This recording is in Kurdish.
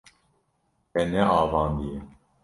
Te neavandiye.